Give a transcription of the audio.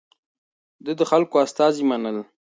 ده د خلکو استازي منل.